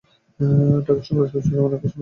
ঢাকায় অসংখ্য উচ্চতম আকাশচুম্বী ভবন রয়েছে।